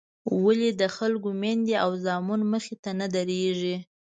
ولې د خلکو میندې او زامن مخې ته نه درېږي.